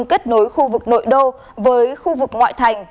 kết nối khu vực nội đô với khu vực ngoại thành